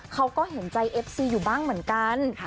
เขาก็เห็นใจเอฟซีอยู่บ้างเหมือนกัน